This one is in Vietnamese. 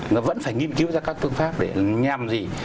nó vẫn phải nghiên cứu ra các phương pháp để nhằm gì